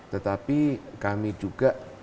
tetapi kami juga